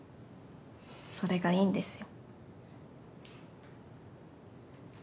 それがいいんですよ。